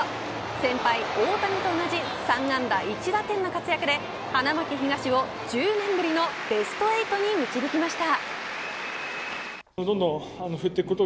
先輩、大谷と同じ３安打１打点の活躍で花巻東を１０年ぶりのベスト８に導きました。